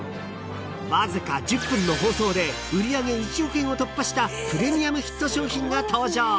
［わずか１０分の放送で売り上げ１億円を突破したプレミアムヒット商品が登場］